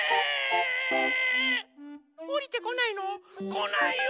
こないよ。